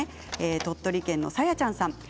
鳥取県の方からです。